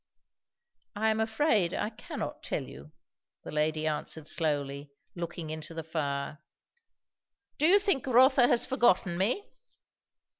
"I am afraid I cannot tell you," the lady answered slowly, looking into the fire. "Do you think Rotha has forgotten me?"